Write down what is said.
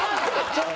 ちょっと！